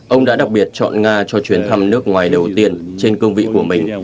ông đã đặc biệt chọn nga cho chuyến thăm nước ngoài đầu tiên trên cương vị của mình